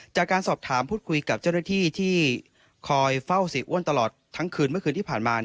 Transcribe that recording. จากการสอบถามพูดคุยกับเจ้าหน้าที่ที่คอยเฝ้าเสียอ้วนตลอดทั้งคืนเมื่อคืนที่ผ่านมา